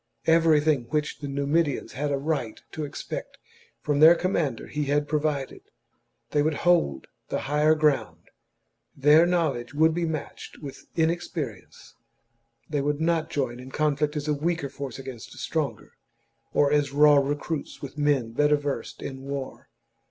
Everything which the Numidians had a right to expect from their com mander he had provided ; they would hold the higher ground, their knowledge would be matched with inex perience, they would not join in conflict as a weaker force against a stronger, or as raw recruits with men better versed in war.